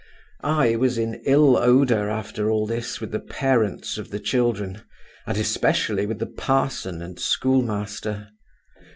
I was in ill odour after all this with the parents of the children, and especially with the parson and schoolmaster.